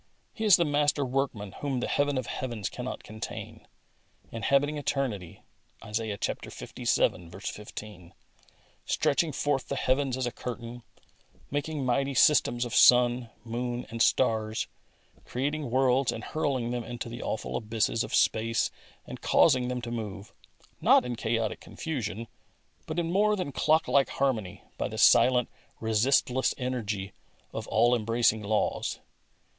He is the Master Workman whom the Heaven of heavens cannot contain, inhabiting eternity {Isaiah Ivii. 15), stretching forth the heavens as a curtain, making mighty systems of sun, moon and stars, creating worlds and hurling them into the awful abysses of space and causing them to move, not in chaotic confusion, but in more than clock like harmony, by the silent, resistless energy of all embracing laws.